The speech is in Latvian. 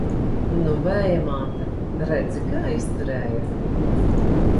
Nu, Vēja māte, redzi, kā izturēju!